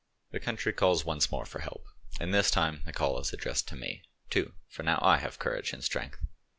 "The country calls once more for help, and this time the call is addressed to me, too, for now I have courage and strength.